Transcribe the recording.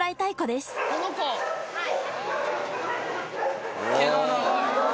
はい。